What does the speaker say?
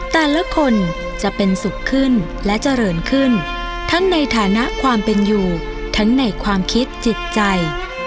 แต่ละคนจะเป็นสุขขึ้นและเจริญขึ้นทั้งในฐานะความเป็นอยู่ทั้งในความคิดจิตใจ